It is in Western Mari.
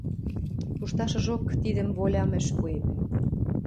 Пушташыжок тидӹм волям ӹш пуэп.